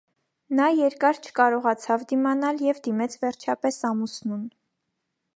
Նա երկար չկարողացավ դիմանալ և դիմեց վերջապես ամուսնուն.